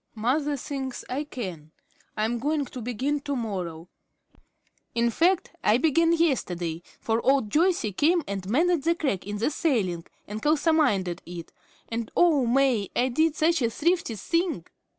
Mother thinks I can. I'm going to begin to morrow. In fact, I began yesterday, for old Joyce came and mended the crack in the ceiling and kalsomined it, and oh, May, I did such a thrifty thing!